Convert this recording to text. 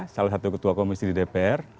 salah satu ketua komisi di dpr